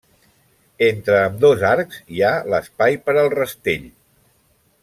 Entre ambdós arcs hi ha l'espai per al rastell.